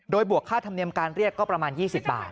โดยบวกค่าธรรมเนียมการเรียกก็ประมาณ๒๐บาท